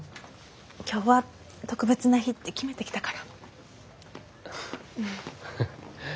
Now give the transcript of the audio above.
今日は特別な日って決めて来たから。